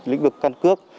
lĩnh vực căn cước